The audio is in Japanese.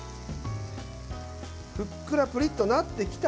ふっくらプリッとなってきた。